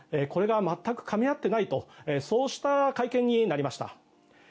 これが全くかみ合ってないとそうした会見になりました。